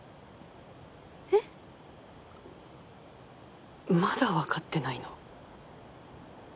えっ？まだ分かってないの？